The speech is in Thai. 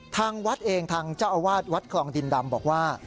ทางวัดเองทางเจ้าอาวาสวัดคลองดินดำบอกว่า